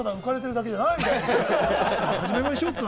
じゃあ、始めましょうか。